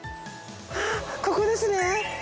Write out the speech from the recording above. あっここですね！